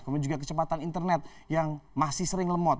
kemudian juga kecepatan internet yang masih sering lemot